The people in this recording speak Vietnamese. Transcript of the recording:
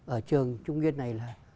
ở trường trung viên này là